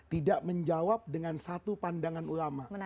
tidak menjawab dengan satu pandangan ulama